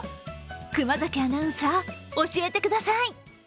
熊崎アナウンサー、教えてください！